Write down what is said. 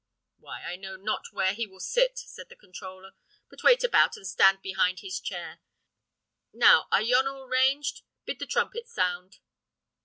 "Why, I know not where he will sit," said the controller; "but wait about, and stand behind his chair. Now, are yon all ranged? Bid the trumpets sound."